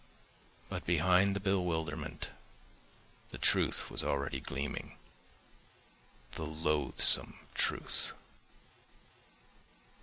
But behind the bewilderment the truth was already gleaming. The loathsome truth.